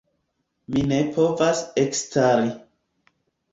Mi ne povas ekstari.